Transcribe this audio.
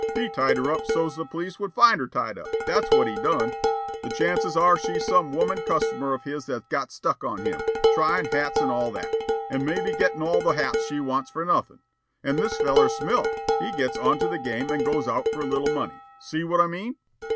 He tied her up so's the police would find her tied up, that's what he done. The chances are she's some woman customer of his that's got stuck on him, tryin' hats and all that, and maybe gettin' all the hats she wants for nothin', and this feller Smilk he gets onto the game and goes out for a little money. See what I mean?"